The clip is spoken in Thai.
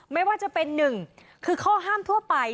ไม่ว่าจะเป็นหนึ่งคือข้อห้ามทั่วไป